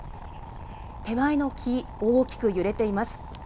手前の木、大きく揺れています。